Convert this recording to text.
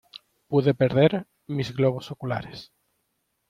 Pude perder mis globos oculares...